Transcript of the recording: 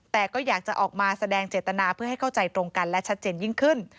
แต่ก็อยากจะออกมาแสดงเจตนาเพื่อให้เข้าใจตรงกันและชัดเจนยิ่งขึ้น